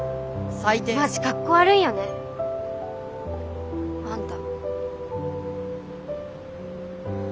マジかっこ悪いよねあんた。